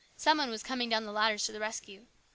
Some one was coming down the ladders to the rescue.